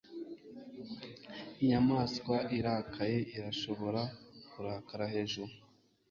Inyamaswa irakaye irashobora kurakara hejuru